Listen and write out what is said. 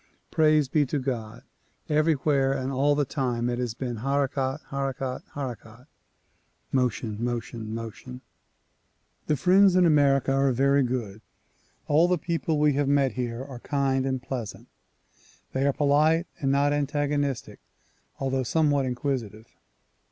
Praise be to God! everywhere and all the time it has been "harakat, "'' harakat, "*' harakat "('' motion, "" motion, "" motion "). The friends in America are very good. All the people we have met here are kind and pleasant. They are polite and not antago nistic although somewhat inquisitive.